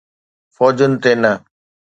فوجن تي نه.